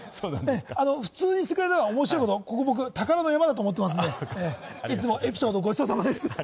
普通にしてくれれば、面白いことは宝の山だと思っているので、いつもエピソードごちそうさまです。